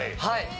はい。